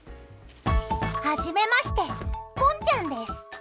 はじめましてぽんちゃんです。